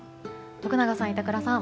徳永さん、板倉さん